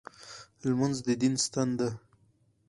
لمونځ د دین ستن ده.